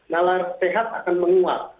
nalar sehat akan menguap